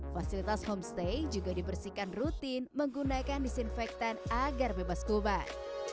fasilitas homestay juga dibersihkan rutin menggunakan disinfektan agar bebas kuban